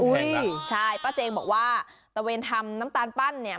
ใช่ป้าเจงบอกว่าตะเวนทำน้ำตาลปั้นเนี่ย